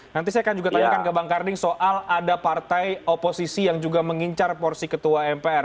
nanti saya akan juga tanyakan ke bang karding soal ada partai oposisi yang juga mengincar porsi ketua mpr